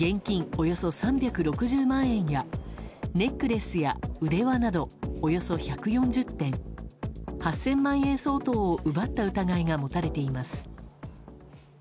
およそ３６０万円やネックレスや腕輪などおよそ１４０点８０００万円相当を奪った疑いが持たれています。